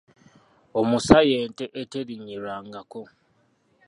Omusa y'ente eterinnyirwangako.